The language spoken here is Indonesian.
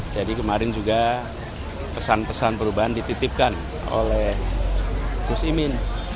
jadi kemarin juga pesan pesan perubahan dititipkan oleh gus imin